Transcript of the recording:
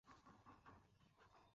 একজন মানুষ এখানে বসে আঙ্গুল চুষবে ন।